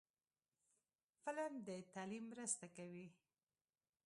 فلم د تعلیم مرسته کوي